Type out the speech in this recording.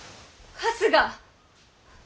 春日